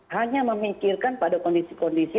hanya memikirkan pada kondisi kondisi